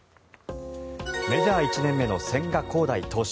メジャー１年目の千賀滉大投手。